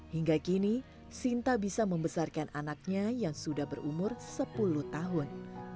hingga kini sinta bisa membesarkan anaknya yang sudah berumur sepuluh tahun